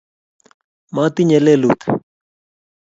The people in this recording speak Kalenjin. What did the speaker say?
matinye lelut